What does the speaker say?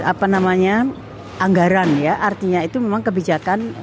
apa namanya anggaran ya artinya itu memang kebijakan